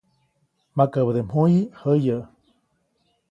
Makabäde mjuyi jäyäʼ.